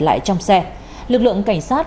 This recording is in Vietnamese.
lại trong xe lực lượng cảnh sát